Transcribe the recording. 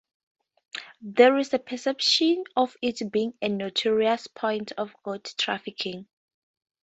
There is a perception of it being a notorious point of goods trafficking.